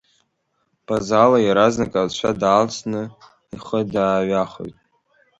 Базала иаразнакы ацәа даалцны ихы дааҩахоит.